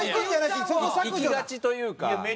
いきがちというか。